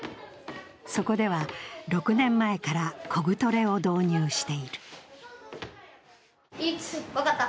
そこでは、６年前からコグトレを導入している。